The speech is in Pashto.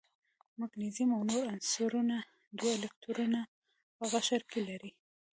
مګنیزیم او نور عنصرونه دوه الکترونه په قشر کې لري.